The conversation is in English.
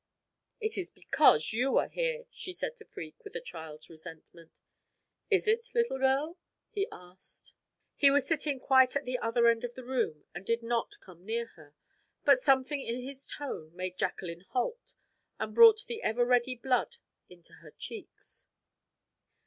"It is because you are here," she said to Freke, with a child's resentment. "Is it, little girl?" he asked. He was sitting quite at the other end of the room and did not come near her, but something in his tone made Jacqueline halt, and brought the ever ready blood into her cheeks.